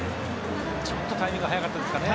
ちょっとタイミング早かったですかね。